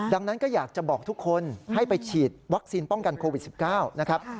ดังนั้นก็อยากจะบอกทุกคนให้ไปฉีดวัคซีนป้องกันโควิด๑๙นะครับ